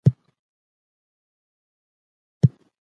ځواب پيدا کول زحمت غواړي.